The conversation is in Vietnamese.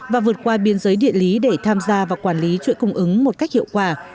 và vượt qua biên giới địa lý để tham gia và quản lý chuỗi cung ứng một cách hiệu quả